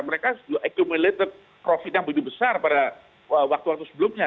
mereka sudah mengumpulkan profit yang besar pada waktu waktu sebelumnya